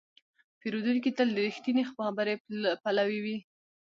پیرودونکی تل د رښتینې خبرې پلوی وي.